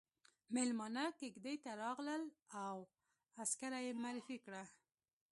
ميلمانه کېږدۍ ته راغلل او عسکره يې معرفي کړه.